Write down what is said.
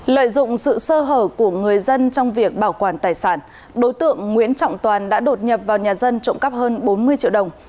lợi dụng sự sơ hở của người dân trong việc bảo quản tài sản đối tượng nguyễn trọng toàn đã đột nhập vào nhà dân trộm cắp hơn bốn mươi triệu đồng